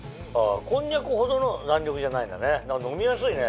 こんにゃくほどの弾力じゃないんだね飲みやすいね。